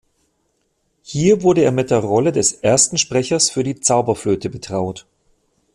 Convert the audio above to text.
Hier wurde er mit der Rolle des Ersten Sprechers für die "Zauberflöte" betraut.